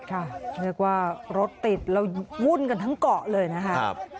เรียกว่ารถติดแล้ววุ่นกันทั้งเกาะเลยนะครับ